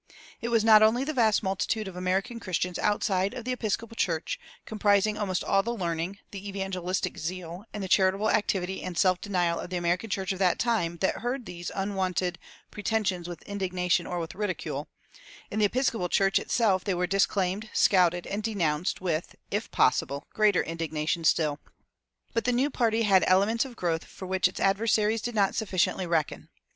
It was not only the vast multitude of American Christians outside of the Episcopal Church, comprising almost all the learning, the evangelistic zeal, and the charitable activity and self denial of the American church of that time, that heard these unwonted pretensions with indignation or with ridicule; in the Episcopal Church itself they were disclaimed, scouted, and denounced with (if possible) greater indignation still. But the new party had elements of growth for which its adversaries did not sufficiently reckon.